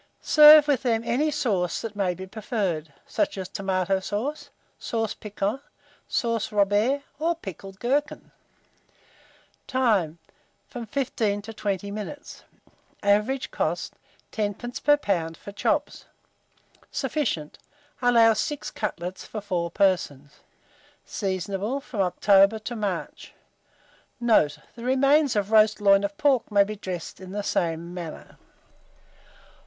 Serve with them any sauce that may be preferred; such as tomato sauce, sauce piquante, sauce Robert, or pickled gherkins. Time. From 15 to 20 minutes. Average cost, 10d. per lb. for chops. Sufficient. Allow 6 cutlets for 4 persons. Seasonable from October to March. Note. The remains of roast loin of pork may be dressed in the same manner.